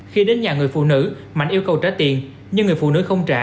khi đến nhà người phụ nữ mạnh yêu cầu trả tiền nhưng người phụ nữ không trả